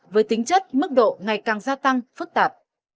với tính chất mức độ ngày càng gia tăng phức tạp